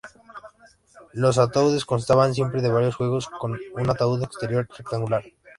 Los ataúdes constaban siempre de varios juegos, con un ataúd exterior rectangular.